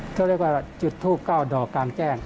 เขาเรียกว่าจุดทูบ๙ดอกกลางแจ้ง